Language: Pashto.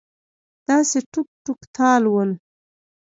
داسې ټوک ټوک تال ول